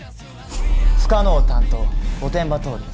不可能担当御殿場倒理。